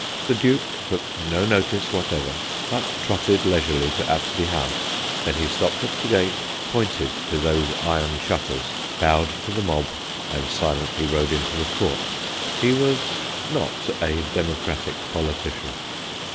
The Duke took no notice whatever, but trotted leisurely to Apsley House : then he stopped at the gate, pointed to those iron shutters, bowed to the mob, and silently rode into the court. He was not a demo cratic politician.